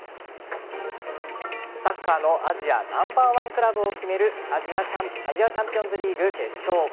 サッカーのアジアナンバーワンクラブを決めるアジアチャンピオンズリーグ決勝。